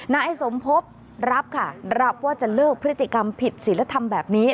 นายสมพบรับค่ะรับว่าจะเลิกพฤติกรรมผิดศิลธรรมแบบนี้